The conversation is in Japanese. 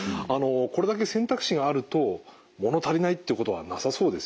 これだけ選択肢があると物足りないってことはなさそうですよね。